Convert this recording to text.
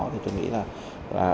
thì tôi nghĩ là